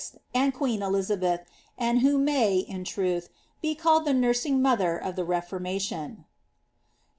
and queen Elizabeth, and I idio may, with truth, be colled the nursing mother of tlie Keformaiion.